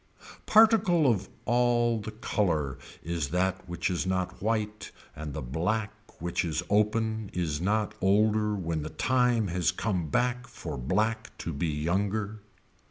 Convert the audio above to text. Particle of all the color is that which is not white and the black which is open is not older when the time has come back for black to be younger.